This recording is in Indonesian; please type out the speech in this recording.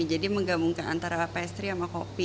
jadi menggabungkan antara pastry sama kopi